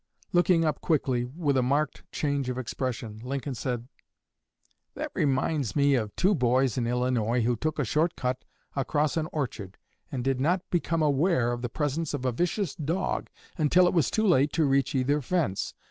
Looking up quickly, with a marked change of expression, Lincoln said: "That reminds me of two boys in Illinois who took a short cut across an orchard, and did not become aware of the presence of a vicious dog until it was too late to reach either fence.